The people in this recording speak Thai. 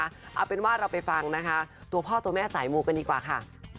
เอาเป็นว่าเราไปฟังนะคะตัวพ่อตัวแม่สายมูกันดีกว่าค่ะ